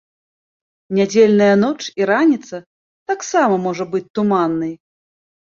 Нядзельная ноч і раніца таксама можа быць туманнай.